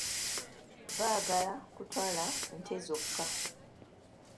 Baagala kutwala nte zokka.